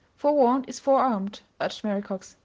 "Forewarned is forearmed," urged Mary Cox.